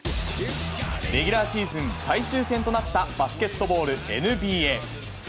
レギュラーシーズン最終戦となったバスケットボール・ＮＢＡ。